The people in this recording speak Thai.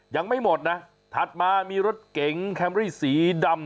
ยังไม่หมดนะถัดมามีรถเก๋งแคมรี่สีดำ